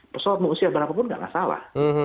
pesawat mengusia berapa pun nggak salah